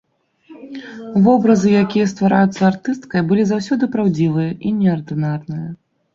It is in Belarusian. Вобразы, якія ствараюцца артысткай, былі заўсёды праўдзівыя і неардынарныя.